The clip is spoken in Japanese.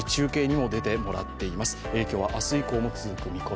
影響は明日以降も続く見込み。